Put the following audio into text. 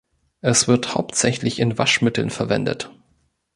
Es wird hauptsächlich in Waschmitteln verwendet.